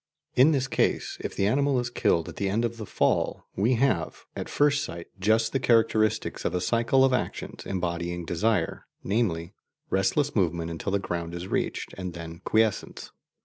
In this case, if the animal is killed at the end of the fall, we have, at first sight, just the characteristics of a cycle of actions embodying desire, namely, restless movement until the ground is reached, and then quiescence.